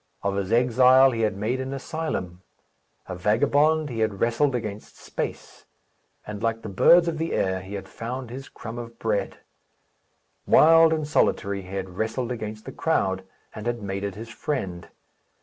Of his exile he had made an asylum. A vagabond, he had wrestled against space; and, like the birds of the air, he had found his crumb of bread. Wild and solitary, he had wrestled against the crowd, and had made it his friend.